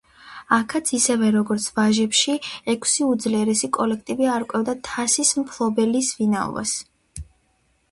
აქაც ისევე როგორც ვაჟებში ექვსი უძლიერესი კოლექტივი არკვევდა თასის მფლობელის ვინაობას.